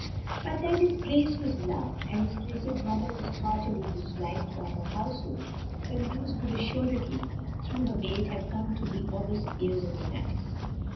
But that his Grace was loved, and his Grace's mother very heartily disliked, by her household, the news would assuredly, through her maid, have come to the august ears of the Duchess.